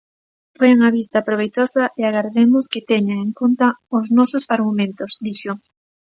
"Foi unha vista proveitosa e agardemos que teñan en conta os nosos argumentos", dixo.